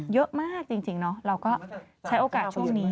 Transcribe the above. เยอะมากจริงเนาะเราก็ใช้โอกาสช่วงนี้